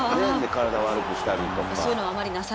体を悪くしたりとか。